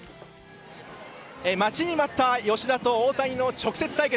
待ちに待った吉田と大谷の直接対決。